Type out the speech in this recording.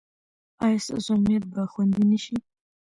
ایا ستاسو امنیت به خوندي نه شي؟